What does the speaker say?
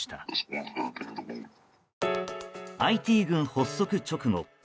ＩＴ軍発足直後